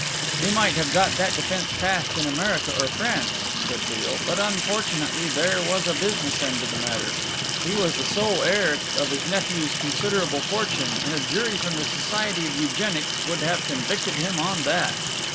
"He might have got that defence past in America or France," said Beale, "but unfortunately there was a business end to the matter. He was the sole heir of his nephew's considerable fortune, and a jury from the Society of Eugenics would have convicted him on that."